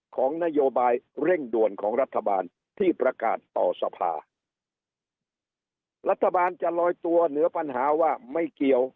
ของนโยบายเร่งด่วนของรัฐบาลที่ประกาศต่อสภารัฐบาลจะลอยตัวเหนือปัญหาว่าไม่เกี่ยว